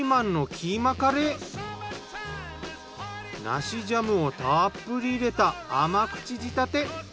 梨ジャムをたっぷり入れた甘口仕立て。